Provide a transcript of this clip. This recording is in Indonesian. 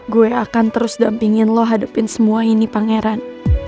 gue akan terus dampingin lo hadepin semua ini pangeran